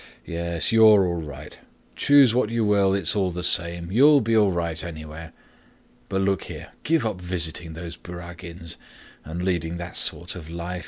Yes, you're all right! Choose what you will; it's all the same. You'll be all right anywhere. But look here: give up visiting those Kurágins and leading that sort of life.